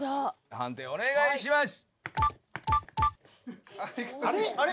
判定お願いします！